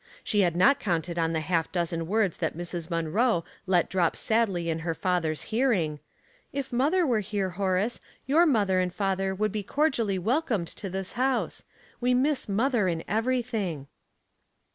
She had not counted on the half dozen words that Mrs. Monroe let drop sadly in her father's hear ing, *' If mother were here, Horace, your mother and father would be cordially welcomed to this house. We miss mother in everything."